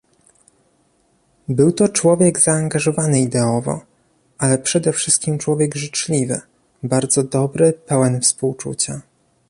Był to człowiek zaangażowany ideowo, ale przede wszystkim człowiek życzliwy, bardzo dobry, pełen współczucia